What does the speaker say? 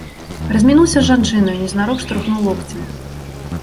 Размінуўся з жанчынаю, незнарок штурхнуў локцем.